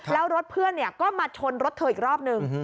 แล้วรถเพื่อนก็มาชนรถเธออีกรอบนึง